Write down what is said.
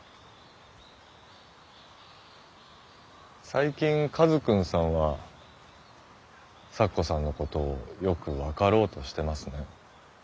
最近カズくんさんは咲子さんのことをよく分かろうとしてますね。